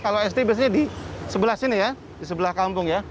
kalau sd biasanya di sebelah sini di sebelah kampung